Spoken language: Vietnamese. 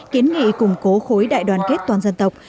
kiến nghị củng cố khối đại đoàn kết toàn dân tộc